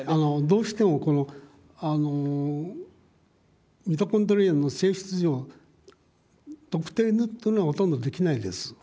どうしてもミトコンドリアの性質上、特定というのはほとんどできないです。